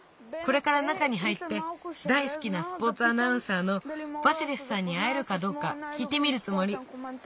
これから中に入って大すきなスポーツアナウンサーのヴァシレフさんにあえるかどうかきいてみるつもり。